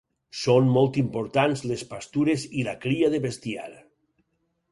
Són molt importants les pastures i la cria de bestiar.